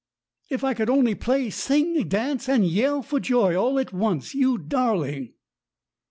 "If I could only play, sing, dance, and yell for joy all at once, you darling!"